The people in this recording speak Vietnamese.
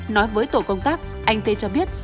nói với tổ công tác anh t cho biết